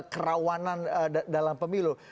kerawanan dalam pemilu